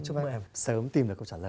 chúc em sớm tìm được câu trả lời nhé